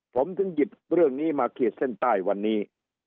ผมถึงหยิบเรื่องนี้มาขีดเส้นใต้วันนี้